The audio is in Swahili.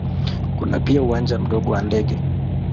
Kuna pia uwanja mdogo wa ndege.